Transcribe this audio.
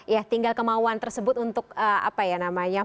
ya tinggal kemauan tersebut untuk apa ya namanya